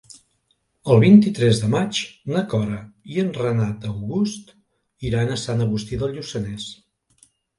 El vint-i-tres de maig na Cora i en Renat August iran a Sant Agustí de Lluçanès.